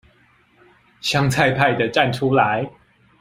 香菜派的站出來